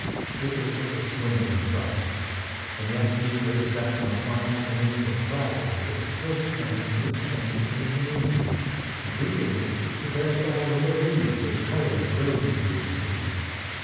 It was just a swindling trust. And yet, these race tracks on a fine afternoon were crowded with intelligent men of good standing in the community, and frequently the parasols of the ladies gave colour and brilliancy to the scene.